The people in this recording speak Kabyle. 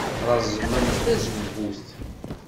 Reẓẓment tazewwut.